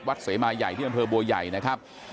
วัดเสมาย่ายที่บริกุศลบัวใหญ่นะครับ